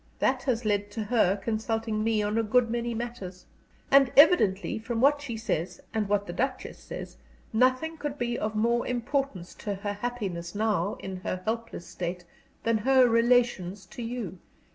That has led to her consulting me on a good many matters. And evidently, from what she says and what the Duchess says, nothing could be of more importance to her happiness, now, in her helpless state, than her relations to you."